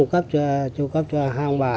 chú cấp cho hai ông bà